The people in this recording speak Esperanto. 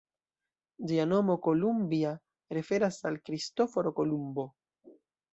Ĝia nomo, ""Columbia"", referas al Kristoforo Kolumbo.